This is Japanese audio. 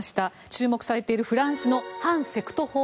注目されているフランスの反セクト法。